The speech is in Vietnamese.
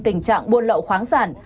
tình trạng buôn lậu quảng sản